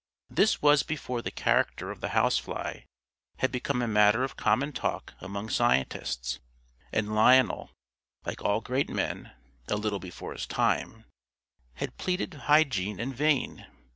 This was before the character of the house fly had become a matter of common talk among scientists, and Lionel (like all great men, a little before his time) had pleaded hygiene in vain.